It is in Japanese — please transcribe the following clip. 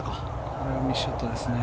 これはミスショットですね。